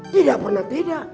tidak pernah tidak